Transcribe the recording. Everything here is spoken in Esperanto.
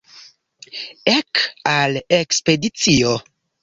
Ek al ekspedicio!